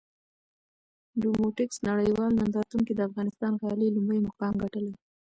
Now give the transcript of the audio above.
ډوموټکس نړېوال نندارتون کې د افغانستان غالۍ لومړی مقام ګټلی!